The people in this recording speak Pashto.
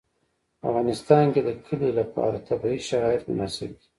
په افغانستان کې د کلي لپاره طبیعي شرایط مناسب دي.